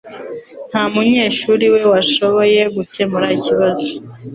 Nta munyeshuri we washoboye gukemura ikibazo.